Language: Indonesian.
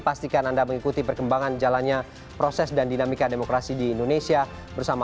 pastikan anda mengikuti perkembangan jalannya proses dan dinamika demokrasi di indonesia bersama